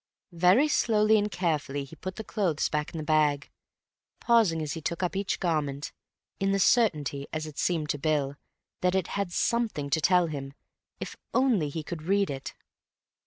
Very slowly and carefully he put the clothes back in the bag, pausing as he took up each garment, in the certainty, as it seemed to Bill, that it had something to tell him if only he could read it.